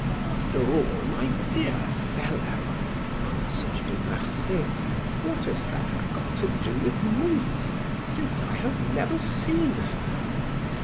"After all, my dear fellow," answered De Marsay, "what has that got to do with me, since I have never seen her?